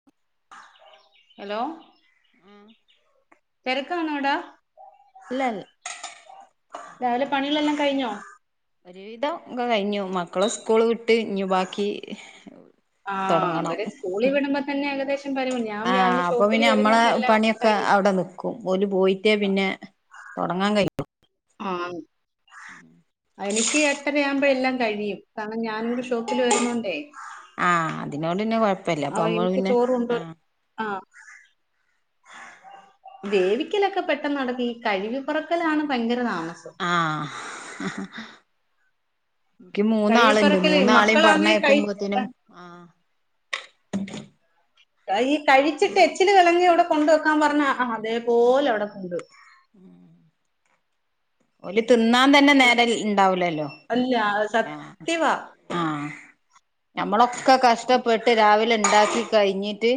ഉ [unintelligible] ഹലോ ആഹ് തെരക്കാണോടാ? ല്ലൽ രാവിലെ പണികളെല്ലാം കഴിഞ്ഞോ? ഒരുവിധം ക്ക കഴിഞ്ഞു മക്കളെ സ്കൂള് വിട്ട് ഇഞ്ഞു ബാക്കി ആഹ് തൊടങ്ങണം അവര് സ്കൂളി വിടുമ്പോ തന്നെ ഏകദേശം [unintelligible] ഞാൻ രാവിലെ ഷോപ്പില് വരുന്നുണ്ട ല്ലോ ക്കെ അവിടെ നിക്കും ഓല് പോയിട്ടേ പിന്നെ തൊടങ്ങാ കയ്യു. ആഹ് എനിക്ക് എട്ട ട്ടരയാമ്പോ എല്ലാം കഴിയും കാരണം ഞാനൂടി ഷോപ്പില് വരുന്നോണ്ടേ. ആഹ് അതിനോണ്ട്ന്നെ കൊഴപ്പല്ല അവ അപ്പൊ മ്മൾ എനിക്ക് പിന്നെ ചോറ് കൊണ്ട് ആഹ്. ആഹ് വേവിക്കലൊക്കെ പെട്ടെന്ന് നടക്കു. ഈ കഴുകിപ്പറക്കലാണ് ഭയങ്കര താമസം. ആഹ് ഹ ഹ ക്ക് കഴിവി മൂന്നാളുണ്ട് പറക്കല് മൂന്നാളേം മക്കളാന്നേ കഴി പർഞ്ഞേക്കുമ്പോത്തിനും ആഹ്. അ ഈ കഴിച്ചിട്ട് എച്ചില് കലങ്ങി അവിടെ കൊണ്ട് വെക്കാം പറഞ്ഞാ അതേ പോലവിടെ കൊണ്ട് വെക്കും. ഓല് തിന്നാൻ തന്നെ നേരം ഉണ്ടാവൂലല്ലോ അല്ല ആഹ് സത്യവാ ആഹ് ഞമ്മളൊക്കെ കഷ്ടപ്പെട്ട് രാവിലെ ഇണ്ടാക്കി കഴിഞ്ഞി ട്ട്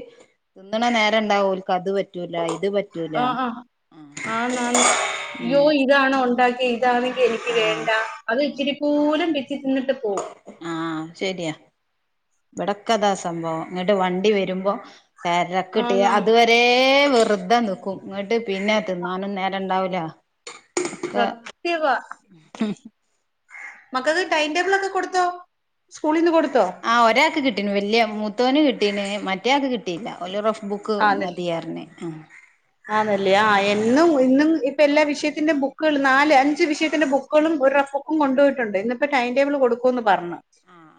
തിന്നണ നേര ഉണ്ടാവോൽക്ക് അത് പറ്റൂല ഇത് പറ്റൂല ആഹ് ആഹ് ആന്നാന്ന് യ്യോ ഉം ഇതാണോ ഒണ്ടാക്കിയേ ഇതാന്നെങ്കി എനിക്ക് ആഹ് വേണ്ട അത് ഇച്ചിരി പോലം പിച്ചിത്തിന്നിട്ട് പോം ആഹ് ശരിയാ ഇവിടക്കതാ സംഭവം എന്നിട്ട് വണ്ടി വരുമ്പോ തെരക്കിട്ട് ആന്നാന്ന് അതുവ രേ വെറുത നിൽക്കും എന്നട്ട് പിന്നെ തിന്നാനും നേരം ഇണ്ടാവൂല ഒക്കെ സത്യവാ മക്കക്ക് ടൈം ടേബിൾ ഒക്കെ കൊടുത്തോ സ്കൂളീന്ന് കൊടുത്തോ ആഹ് ഒരാൾക്ക് കിട്ടീന് വലിയ മൂത്തവന് കിട്ടീന് മറ്റേയാൾക്ക് കിട്ടിയില്ല ഓല് റഫ് ബു ക്ക് ആന്ന് മതിയാർന്നെ ആഹ് ആന്നല്ലേ ആഹ് എന്നും ഇന്നും ഇപ്പ എല്ലാ വിഷയത്തിന്റെ ബുക്കുകളും നാല് അഞ്ച് വിഷയത്തിന്റെ ബുക്കുകളും ഒരു റഫ് ബു ക്കും കൊണ്ട് പോയിട്ടുണ്ട് ഇന്നിപ്പോ ടൈംടേബിൾ കൊടുക്കുംന്ന് പറഞ്ഞു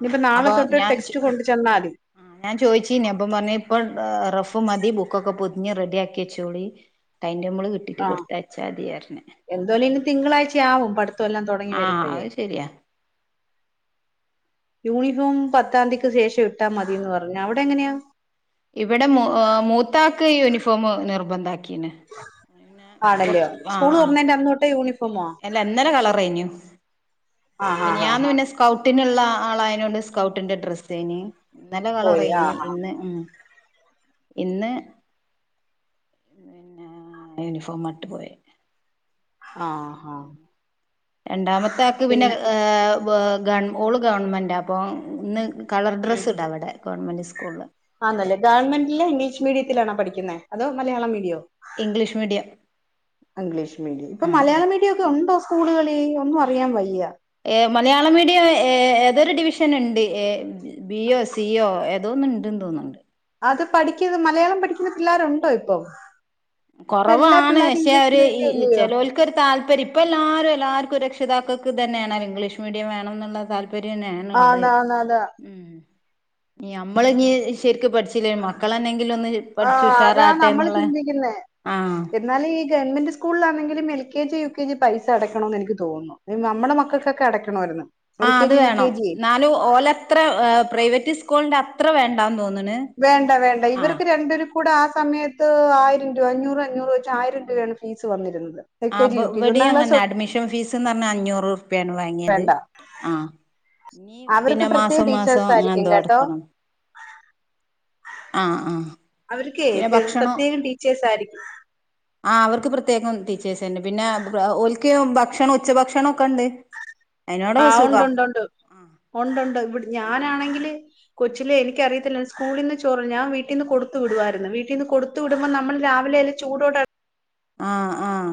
ഇനിപ്പോ നാളെ അപ്പൊ തൊട്ട് ഞാൻ ചോ ടെക്സ്റ്റ് കൊണ്ടു ചെന്നാതി ആ ഞാൻ ചോയിച്ചീനി അപ്പം പറഞ്ഞ് ഇപ്പം റഫ് മതി ബുക്കൊക്കെ പൊതിഞ്ഞ് റെഡിയാക്കി വച്ചോളി ടൈംടേബിൾ കിട്ടിട്ട് കൊടുത്തയച്ചാ മതി പറഞ്ഞ് എന്ത്വായാലും ഇനി തിങ്കളാഴ്ചയാവും പഠിത്തം എല്ലാം തുടങ്ങി ആ വരുമ്പഴേ അത് ശരിയാ യൂണിഫോം പത്താംതിക്ക് ശേഷം ഇട്ടാ മതീന്ന് പറഞ്ഞു അവ്ടെങ്ങനെയാ ഇവിടെ മോ മൂത്താക്ക് യൂണിഫോം നിർബന്ധാക്കീന് ആണല്യോ സ്കൂൾ തുറന്നേന്റെ അന്ന് തൊട്ടേ യൂണിഫോമാ അല്ല ഇന്നലെ കളർ കഴിഞ്ഞു ആഹ് ആഹ് ആഹ് മിനിയാന്ന് ആഹ് പിന്നെ സ് കൗട്ടിനുള്ള ആളായതിനോണ്ട് സ്കൗട്ടിന്റെ ഡ്രസ്സേനി ഇന്നലെ പോയി കളറായിനി ആഹ് ആഹ് ഇന്ന് ഉം ഇന്ന് പിന്നെ യൂണിഫോമാ ഇട്ട് പോയേ ആഹ് ആഹ് രണ്ടാമത്താക്ക് പിന്നെ ഗവൺ ഓള് ഗവൺമെൻറാ അപ്പോ ഇന്ന് കളർ ഉം ഡ്രസ്സ് ഇടാം അവിടെ ഗവൺമെൻറ് സ്കൂളിൽ ആന്നല്ലേ ഗവൺമെന്റില് ഇംഗ്ലീഷ് മീഡിയത്തിലാണോ പഠിക്കുന്നെ അതോ മലയാളം മീഡിയോ ഇംഗ്ലീഷ് മീഡിയം ഇംഗ്ലീഷ് മീഡിയം ഇപ്പൊ മലയാളം ആ മീഡിയം ഒക്കെ ഒണ്ടോ സ്കൂളുകളി ഒന്നും അറിയാൻ വയ്യ ഏ മലയാളം മീഡിയം ഏ ഏതൊരു ഡിവിഷന്ണ്ട് എ ബി യോ സി യോ. എന്തോ ഒന്ന് ണ്ട് ന്ന് തോന്നുണ്ട് അത് പഠിക്കുന്ന മലയാളം പഠിക്കുന്ന പിള്ളേരുണ്ടോ ഇപ്പം ഇപ്പൊ എല്ലാ കൊറവാണ് പിള്ളേരും പക്ഷേ ഇംഗ്ലീഷ് അവര് മീഡിയം ഈ അല്ലയോ ചെലോൽ ക്കൊരു താല്പര്യം ഇപ്പോ എല്ലാരും എല്ലാർക്കും രക്ഷിതാക്കൾക്ക് ഇതന്നെയാണ് ഇംഗ്ലീഷ് മീഡിയം വേണം എന്നുള്ള താല് പര്യാനുള്ളെ ആന്ന് ആന്ന് അതാ ഉം ഇനി നമ്മളിനി ശരിക്ക് പഠിച് ലെ മക്കളന്നെങ്കിലും ഒന്ന് പഠിച്ചു ആഹ് അതാ ഉഷാറാട്ടെ എന്നുള്ള ആഹ് എന്നാല് ഈ ഗവൺമെന്റ് സ്കൂളിലാന്നെങ്കിലും L K G U K G പൈസ അടക്കണോന്ന് എനിക്ക് തോന്നുന്നു. നമ്മുടെ മക്കക്കൊക്കെ അടയ്ക്കണമാരുന്നു. ആഹ് അത് വേണം ന്നാലും ഓലത്ര പ്രൈവറ്റ് സ്കൂളിന്റെ അത്ര വേണ്ടാന്ന് തോന്നണ്. വേണ്ട വേണ്ട ആ ഇവർക്ക് രണ്ടരു ക്കൂടെ ആ സമയത്ത് ആയിരം രൂപ അഞ്ഞൂറ് അഞ്ഞൂറ് വെച്ച് ആയിരം രൂപയാണ് ഫീസ് വന്നിരുന്നത്. എൽ കെ ആഹ് ജി യു കെ ജി ഇവിടേം ഒന്നാം ക്ലാസ് അങ്ങനാ അഡ്മിഷൻ ഫീസ്ന്ന് പറഞ്ഞാ അഞ്ഞൂറ് ഉറുപ്യയാണ് തൊട്ട് വാങ്ങിയത് വേണ്ട ആഹ് ഇനീ അവർക്ക് പിന്നെ പ്രത്യേക മാസം മാസം ടീച്ചേഴ്സ് അങ്ങനെ ആയിരിക്കും എന്തോ അടക്കണം. ആ ആ അവ്ര്ക്കെ പിന്നെ തെര് ഭക്ഷണം പ്രത്യേകം ട്ടീച്ചേഴ്‌സാ യിരിക്കും. ആ അവർക്ക് പ്രത്യേകം ടീച്ച്. സെനെ പിനെ ബ്ര ഓൽക്ക് ഭക്ഷണം ഉച്ച ഭക്ഷണൊക്കെണ്ട്. ആഹ് ഉണ്ട്ണ്ട് ണ്ട് ഉണ്ട് ഉണ്ട് ണ്ട് ഇവിട് ആ ഞാനാണെങ്കില്. കൊച്ചിലെ എനിക്കറിയത്തില്ലാര്ന്ന് സ്കൂളിന്ന് ചോറ് ഞാൻ വീട്ടിന്ന് കൊടുത്തു വിടുവായിരുന്നു വീട്ടീന്ന് കൊടുത്ത്. ത്ത് വിടുമ്പോ നമ്മൾ രാവിലെ ല്ലെ ചൂടോട- ആ ആഹ്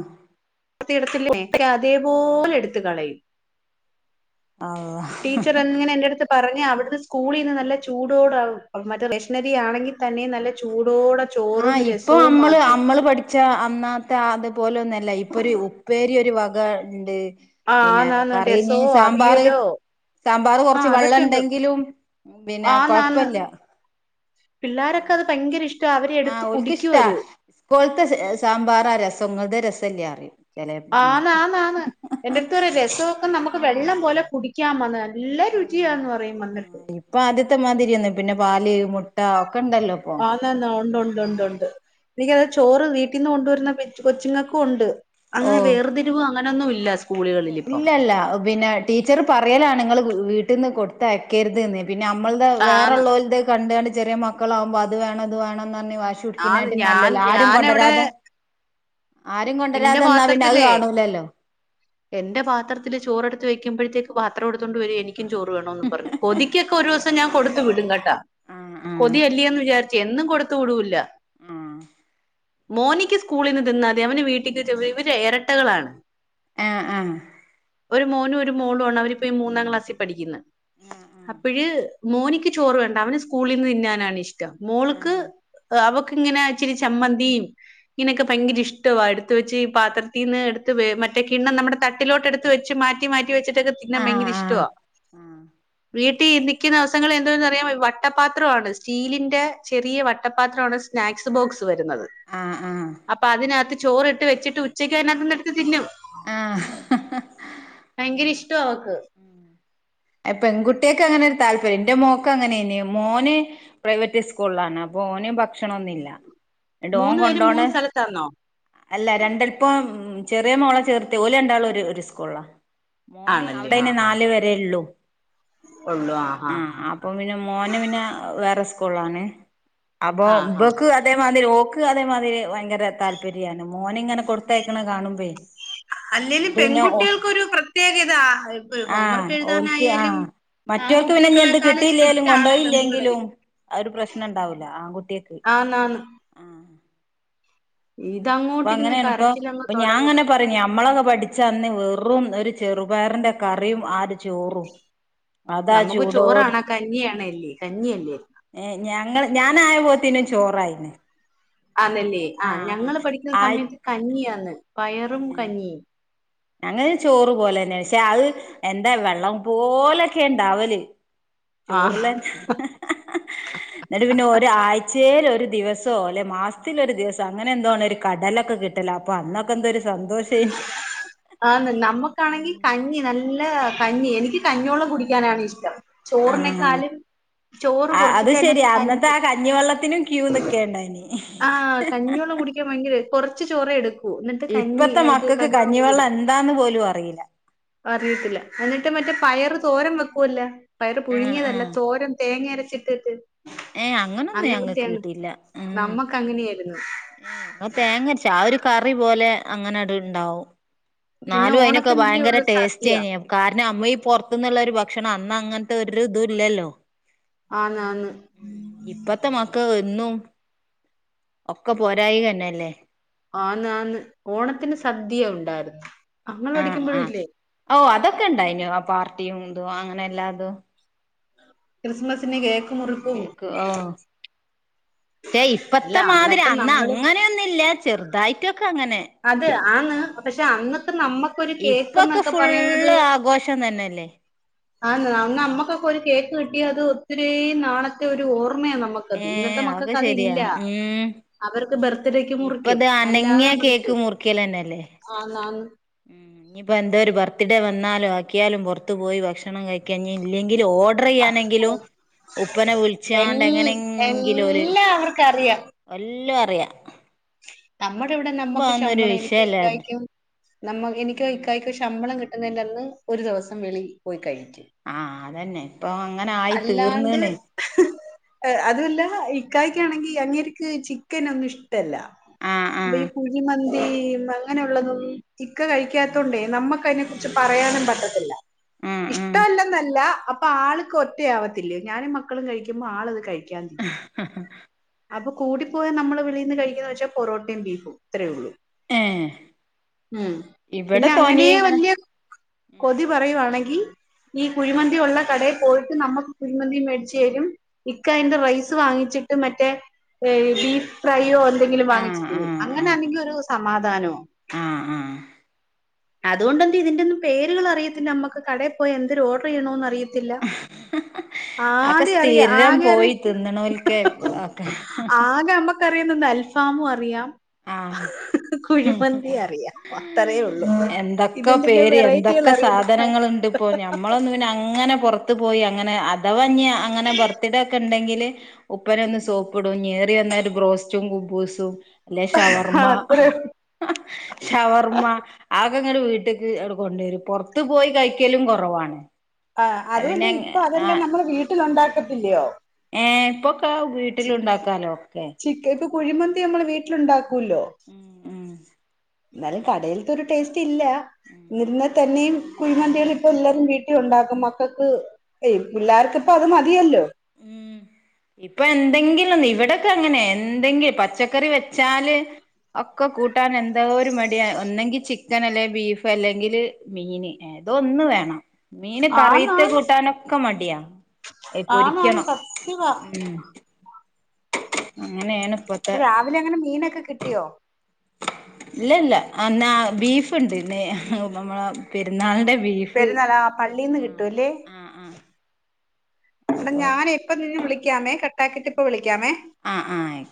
ത്തിടത്തില്ലേ ക്കെ അതേപോലെ എട്ത്ത് കളയും. ആഹ ടീച്ചറെൻ ങ്ങനെ എൻ്റെടുത്ത് പറഞ്ഞെ അവിടുന്ന് സ്കൂളിന്ന് ന്നല്ലെ ചൂടോട മറ്റെ റേഷനരി ആണെങ്കിലും. തന്നെ നല്ല ചൂടോട. ആഹ ഇപ്പൊ അമ്മള് അമ്മള് പഠി- ച്ച അന്നാത്തെ അത്പോലൊന്നല്ല ഇപ്പൊര് ഉപ്പേരി ഒരു വക ഇണ്ട്. ആ പിനെ ആന്നാന്ന് കറീഞ്ഞ് രസവോ സാമ്പാറ്. അവിയലോ സാമ്പാറ് ആ കൊറച്ച് അതൊക്കെ ഉണ്ട് വള്ളണ്ടെങ്കിലും പിന്നെ കൊഴപ്പില്ല. പിള്ളാരൊക്കത് ഭങ്കര ഇഷ്- ആഹ് ഓൽക്ക് ഇഷ്ടാ ഉസ്കോൽത്തെ സെ സാമ്പാറാ രസം ഇങ്ങൾത് രസെല്ലാറിയും. ആന്ന് ആന്ന് ആന്ന് എന്റെർത്ത് പറയും രസൊക്കെ നമക്ക് ഉം വെള്ളം പോലെ കുടിക്കാമ്മന്ന്. നല്ല ആഹ് രുജിയാന്ന് പറയും വന്നിട്ട്. ഇപ്പൊ ആദ്യത്തെമാതിരിയൊന്ന പിനെ പാല് മുട്ട ഒക്കെ ഉണ്ടല്ലോ ഇപ്പൊ. ന്നെന്നാ ഉണ്ട്ണ്ട് ഉണ്ട് ഉണ്ട് എനിക്കത ചോറ് വീട്ടിന്ന് കൊണ്ടുവരുന്ന പിച് കൊച്ചുങ്ങക്കും ഉണ്ട്. അങ്ങനെ വേർതിരിവ് അങ്ങനൊന്നും ഇല്ല സ് - ള് ഇല്ലല്ല ഒ പിനെ ടീച്ചറ് പറയലാണ് നിങ്ങള് വീട്ടിന്ന് കൊടുത്തയക്കരുത്ന്ന്. പിനമ്മൾത് ആന്ന് വേറൊള്ളോൽത് കണ്ട് കണ്ട് ചെറിയ മക്കളാവുമ്പോ അത് വേണം ഇത് വേണംന്നർഞ്ഞ് വാശി- ആ പിടിക്കെണീട്ടീം ഞാൻ ന്നല്ലഅല്ലെ ആരും ഞാനവിടെ കൊണ്ടരാതെ. ആരും എന്റെ കൊണ്ടരാതെന്നാ പിനത് പാത്രത്തിലേ കാണൂലല്ലോ. എന്റെ പാത്രത്തില് ചോറെടുത്ത് വെക്കുബെഴ്‌ത്തേക്ക് പാത്രം എടുത്തൊണ്ട് വെരെ എനി- ക്കും ചോറ് വേണോന്നും പറഞ് കൊതികെക്കെ ഒരൂസം ഞാൻ കൊടുത്ത് വിടും കെട്ടാ. ആഹ് കൊതിയല്ലേന്ന് വിചാരിച്ചെ എന്നും കൊടുത്തു വിടൂല്ല. ആഹ് മോനിക്ക് സ്കൂളിന്ന് തിന്നാതി അവന് വീട്ടിക്ക് ചൊവ്വേ ഇവരെ എരട്ടകളാണ്. ആ ആ ഒരു മോനും ഒരു മോളും ആണ് അവരിപ്പോ ഈ മൂന്നാം ക്ലാസ്സി പഠിക്കിന്ന് അപ്പിഴ്. മോനിക്ക് ചോറ് വേണ്ട അവന് സ്കൂളിൽന്ന് തിനാനാണിഷ്ട്ടം മോൾക്ക് അവക്ക് ഇങ്ങനെ ച്ചിരി ചമ്മന്തീം ഇങ്ങനൊക്കെ ഭയങ്കര ഇഷ്ട്ടവാ എട്- ത്ത് വെച്ച് ഈ പാത്രത്തീന്ന് എടുത്ത് വേ മറ്റേ കിണ്ണം നമ്മടെ തട്ടിലോട്ട്ടുത്ത് വെച്ച് മാറ്റി മാറ്റി വെച്ചട്ട്. ക്കതിന്നാൻ ആഹ് ഭയങ്കര ആഹ് ആഹ് ഇഷ്ട്ട വാ ആഹ് വീട്ടി ന്നിക്കുന്ന ദിവസങ്ങളി എന്തോന്നറിയാമൊ ഇ വട്ടപാത്രവാണ് സ്റ്റീലിന്റെ ചെറിയ വട്ടപാത്രാണ് സ്- സ്നാക്സ് ബോക്സ് വരുന്നത്. ആഹ് ആഹ്. അപ്പ അതിനകത്ത് ചോറിട്ട് വെച്ചിട്ട് ഉച്ചക്ക് അയ്നകത്ത്ന്ന് എടുത്ത് തിനും ആഹ് ആഹ് ഭയങ്കര ഇഷ്ട്ടവാ അവ്ക്ക്. എ പെൺകുട്ടേക്കങ്ങനെ ഒരു താല്പര്യം എന്റെ മോക്ക് അങ്ങനെനെ മോന്- പ്രൈവറ്റ് സ്കൂൾലാണ് അപ്പൊ ഓന് ഭക്ഷണൊന്നില്ല. ടോൻ മൂന്ന് പേരും മൂന്ന് കൊണ്ടോണഹ് സ്ഥലത്താണോ അല്ല രണ്ടാള്പ്പം ചെറിയ മോളെ ചേർത്തിയ ഓല് രണ്ടാളും ഒരു സ്കൂളിലാ. മോന് അവിടെയ്ന് നാല് വരെയൊള്ളു. ഒള്ളു ആ ആഹ് ആഹ്. അപ്പൊ പിന്നെ മോന് പിന്നെ വേറെ സ്കൂളാണ് അപ്പൊ ആ ഹാ ഇബക്ക് ഇതേമാതിരി ഓക്ക് അതേമാതിരി ഭയങ്കര താല്പര്യാണ് മോനിങ്ങനെ കൊടുത്തയക്ക്ണ കാണുമ്പെ അല്ലേലും പെൺകുട്ടികൾക്കൊരു പ്രത്യേക ഇതാ ഇപ്പൊ ആഹ് ഹോംവർക്ക് ഓൽക്ക് എഴുതാനായാലും. ആഹ് മറ്റോൽക്ക് പിന്നെ ഇഞ്ഞ് എന്ത് ആൺകുട്ടികളെക്കാളും കിട്ടിയില്ലേലും സ്ട്രിക്റ്റ് ആണ് പെൺപിള്ളേര് കൊണ്ടോയില്ലെങ്കിലും. ആ ഒരു പ്രശ്നംണ്ടാവൂല്ല ആൺകുട്ടിയാക്ക്. ആന്ന് ആന്ന് അപ്പൊ ഇതങ്ങോട്ടിരുന്ന് അങ്ങനെയണ് ഇപ്പൊ കരച്ചിലങ്ങ് അപ്പൊ ഞാ തൊടങ്ങും ഇങ്ങനെ പറയും നമ്മളൊക്കെ പഠിച്ച അന്ന് വെറും ഒരു ചെറുപയറിന്റെ കറിയും ആ ഒരു ചോറും. അതാ നമുക്ക് ചൂടോട് ചോറാണോ? കഞ്ഞിയണല്ലേ കഞ്ഞിയല്ലേ? ഏഹ് ഞങ്ങൾ ഞാനായ പോത്തിനും ചോറായിണ് ആന്നല്ലേ? ആഹ് ഞങ്ങള് പഠിക്കുന്ന ആയി സമയത്ത് കഞ്ഞിയാണ് പയറും, കഞ്ഞിയും. ഞങ്ങക്ക് ചോറ് പോലന്നെ പക്ഷെ അഹ് എന്താ വെള്ളം പോലൊക്കെ ഇണ്ടാവല്. ആഹ് ചോറ്ല് എന്നിട്ട് പിന്നെ ഒരാഴ് ച്ചേല് ഒരു ദിവസോ അല്ലെ മാസത്തില് ഒരു ദിവസോ അങ്ങനെ എന്തോ ആണ് ഒരു കടലൊക്കെ കിട്ടല് അപ്പോ അന്നൊക്കെ എന്തൊര് സന്തോഷ ആന്ന് നമ്മക്കാണെങ്കി കഞ്ഞി ന നല്ല കഞ്ഞി എനിക്ക് കഞ്ഞോള്ളം കുടിക്കാനാണ് ഇഷ്ടം ആഹ് ചോറിനേക്കാളും ചോറ് അത് കൊറച്ചിട്ട് അതിനാത്ത് ശരിയാ അന്നത്തെ കഞ്ഞി ആ കഞ്ഞിവെള്ളത്തിനും ക്യൂ നിക്കേണ്ടായിനി ആഹ് കഞ്ഞിവെള്ളം കുടിക്ക ക്കാൻ ഭയങ്കര കൊറച്ച് ചോറെ എടുക്കൂ എന്നിട്ട് കഞ്ഞി ഇത് മക്കക്ക് കൂടി കഞ്ഞിവെള്ളം എടുക്കും എന്താന്ന് പോലും അറിയില്ല. അറിയത്തില്ല എന്നിട്ട് മറ്റേ പയറ് തോരം വെക്കുവല്ലോ പയറ് ആഹ് പുഴുങ്ങിയതല്ല ആഹ് തോരൻ തേങ്ങ അരച്ചിട്ടിട്ട്. ഏഹ് അങ്ങനൊന്നും ഞങ്ങക്ക് അങ്ങനത്തെെയാണ് കിട്ടില്ല ഉം നമ്മക്ക് അങ്ങനെയായിരുന്നു. ഏഹ് ഇവടെ തേങ്ങരച്ച ആ ഒരു കറി പോലെ അങ്ങനെ ആട്ട് ഇണ്ടാവും. പിന്നെ ഇന്നാലും അയിനൊക്കെ ഓണത്തിനല്ലേ ഭയങ്കര ഉള്ളൂ സദ്യ ടേസ്റ്റനി ന കാരണം അമ്മയീ പൊറത്തുന്നുള്ള ഒരു ഭക്ഷണം അന്ന് അങ്ങനത്തെ ഒരു ഇതും ഇല്ലല്ലോ? ആന്ന് ആന്ന് ഇപ്പത്തെ മക്കക്ക് എന്നും ഒക്കെ പോരായിക തന്നെയല്ലേ ആന്ന് ആന്ന് ഓണത്തിന് സദ്യ ഉണ്ടായിരുന്നു ഇങ്ങള് പഠിക്കുമ്പഴില്ലേ? ഓഹ് അതൊക്കെ ഇണ്ടായിനു ആ പാർട്ടിയും ഇതും അങ്ങനെ എല്ലാതും. ക്രിസ്മസിന് കേക്ക് മുറി കേക്ക് ആഹ് പക്ഷേ അല്ല ഇപ്പത്തെ മാതിരി അന്നൊക്കെ അന്ന് നമ്മള് അങ്ങനെയൊന്നുല്യ ചെറുതായിട്ടൊക്കെ അങ്ങനെ അത് ആന്ന് ആഹ് പക്ഷെ ആഹ് അന്നക്കെ നമ്മക്കൊരു കേക്ക് ഇപ്പൊക്കെ എന്നൊക്കെ പറയുന്നത്. ഫുള്ള് ആഘോഷം തന്നെയല്ലേ ആന്ന് നമ്മക്കൊക്ക ഒരു കേക്ക് കിട്ടിയ അത് ഒത്തിരി നാളത്തെ ഒരു ഓർമ്മയാ നമക്ക്. ഏഹ് ഇന്നത്തെ അതൊക്കെ മക്കക്ക് ശരിയാ അതില്ല ഉം അവർക്ക് ബർത്ത്ഡേക്ക് മുറിക്കും ഇപ്പത് അല്ലാതെ അനങ്ങിയ നമ്മള്. കേക്ക് മുറിക്കലെന്നല്ലേ? ആന്ന് ആന്ന്. ഉം ഇഞ്ഞ്പ്പോ എന്തോര് ബർത്ത്ഡേ വന്നാലും ആക്കിയാലും പൊറ്ത്ത് പോയി ഭക്ഷണം കഴി ക്കെ ഇഞ് ഇല്ലെങ്കിലും ഓർഡറെയ്യാനെങ്കിലും ഉപ്പനെ വിളിച്ചാണ്ട് എൽ- എങ്ങനെങ്കിലും ഓല് എല്ലാവർക്കും അറിയാം എല്ലും അറിയാ നമ്മടെ ഇവ്ടെ ഇപ്പൊ നമ്മക്ക് അതൊന്നും ഒരു ശമ്പളം എനിക്ക് വിഷയല്ല ഇക്കായ്ക്കും നമ്മ എനിക്ക് ഉം ഇക്കായ്ക്ക് ശമ്പളം കിട്ട്ന്നെയിന്റന്ന് ഒര് ദിവസം വെളി പോയി കഴിക്കും. ആഹ് അതന്നെ ഇപ്പൊ അങ്ങനെ ആയി തീർന്ന്ണ്. ഹ് ഹ് ഈഹ് അതുവല്ലാ ഉം ഇക്കായ്ക്കാണെങ്കി അങ്ങേര്ക്ക് ചിക്കനൊന്നും ഇഷ്ടല്ല. ആഹ് വി ഈ ആഹ് കുഴിമന്തിയും അങ്ങനെ ഉള്ളതൊന്നും ഇ ക്ക കഴിക്കാത്തോണ്ടേ നമ്മക്കയ്നെക്കുറിച്ച് പറയാനും പറ്റത്തില്ല ആഹ് ഇഷ്ടമല്ലെന്നല്ല അ പ്പാൾക്ക് ഒറ്റയാവത്തില്ല്യോ ഞാനും മക്കളും കഴിക്കുമ്പോ ആളത് കഴി ഹ് ഹ ഹ അപ്പൊ കൂടിപ്പോയാ നമ്മള് വെളീന്ന് കഴിക്കുന്ന വെച്ചാ പൊറോട്ടിം ബീഫും ഇത്രയേ ഉള്ളൂ. ഏഹ് ഉം ഇവിടെ പിന്നെ തോനെ അങ്ങനേ ഇങ്ങനെ വല്ല്യ ഉം കൊതി പറയുവാണെങ്കി ഈ ഉം കുഴിമന്തി ഒള്ള കടേ പോയിട്ട് നമ്മക്ക് കുഴിമന്തിയും മേടിച്ചേരും. ഇക്ക ഉം അയിന്റെ റൈസ് വാങ്ങിച്ചിട്ട് മറ്റേ ബീഫ് ഫ്രൈയ്യോ എ ന്തെങ്കിലും ആഹ് വാങ്ങിച്ച് തിന്നും ആഹ് ആഹ് അങ്ങനാണെങ്കി ഒരു സമാധാനോ. ആഹ് ആഹ്. അതുകൊണ്ടെന്തേ ഇതിന്റൊന്നും പേരുകൾ അറിയത്തില്ലമ്മക്ക് കടേ പോയി എന്തൊര് ഓർഡർയ്യണോന്ന് അറിയ ത്തില്ല അക്കെ ആധ്യേ അറിയ സ്ഥിരം ആകെ അറി പോയി തിന്നണോൽക്ക് ഒക്കെ ആകെ അമ്മക്കറിയുന്നെന്താ അൽഫാമും അറിയാം ആഹ് കുഴിമന്തി അറിയാ അത്തറേ ഉള്ളു. എന്തക്കെ പേര് എന്തക്കെ അറിയില്ല സാധനങ്ങള് ഇണ്ട് ഇപ്പോ ഞമ് മ്മളൊന്നു പിന്നെ അങ്ങനെ പൊറത്ത് പോയി അങ്ങനെ അതവ ഇഞ് അങ്ങനെ ബർത്ത്ഡേക്കെ ഇണ്ടെങ്കില് മൂപ്പരെ ഒന്ന് സോപ്പ് ഇടും ഞ്ഞേറി വന്ന ഒരു ബ്രോസ്റ്റും കുബ്ബൂസും അല്ലെ ഷവർമ്മാ. അത്രേ ഉള്ളൂ. ഷവർമ്മ. ആ ഒക്കെ ഇങ്ങട് വീട്ട്ക്ക് ആട് കൊണ്ടേരും പൊറത്ത് പോയി കഴിക്കലും കൊറവാണ്. ആഹ് അതു അല്ല ഇപ്പൊ അതെല്ലാം നമ്മളെ വീട്ടില് ഒണ്ടാക്കത്തില്ലയോ ഏഹ് ഇപ്പൊക്കെ വീട്ടിലുണ്ടാക്കാലോ ഒക്കെ. ചിക് ഇപ്പൊ കുഴിമന്തി നമ്മള് വീട്ടിലുണ്ടാക്കൂല്ലോ. ഉം. ഉം ന്നാലും കടേൽത്തൊരു ഇപ്പൊ ടേസ്റ്റ് ഇല്ലാ ഉം നിന്ന് തന്നെയും കുഴിമന്തികള് ഇപ്പ എല്ലാരും വീട്ടി ഉണ്ടാക്കും മക്കക്ക് ഏയ് പിള്ളാർക്ക് ഇപ്പ അത് മതിയല്ലോ. ഉം. ഇപ്പൊ എന്തെങ്കിലൊന്ന് ഇവിടെക്കെ അങ്ങനെ എന്തെങ്കിലും പച്ചക്കറി വെച്ചാല് ഒക്കെ കൂട്ടാന് എന്തോര് മടിയാ ഒന്നെങ്കി ചിക്കൻ അല്ലേ ബീഫ് അല്ലെങ്കില് മീന്. എ ഇതൊന്ന് വേണം മീന് കറീത്തെ ആന്നാന്ന് കൂട്ടാനൊക്കെ മടിയാ എ ആന്നാന്ന് പൊരിക്കണം. സത്യവാ ഉം അങ്ങനേണ് ഇപ്പൊത്ത് പ്പൊ രാവിലെ അങ്ങനെ മീനൊക്കെ കിട്ടിയോ? ഇല്ല ഇല്ലാ അന്നാ ബീഫ് ഇണ്ട് നെയ് നമ്മളാ പെര്ന്നാളിന്റെ ബീഫ്. ള്ളീന്ന് കിട്ടൂല്ലേ. ആ ആ ആ എട ഞാനെയ് ഇപ്പ നിന്നെ വിളിയ്ക്കാമേ കട്ടാക്കിട്ട് ഇപ്പ വിളിയ്ക്കാമേ. ആഹ് ആഹ് ആയി